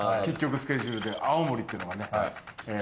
スケジュールで青森っていうのはね。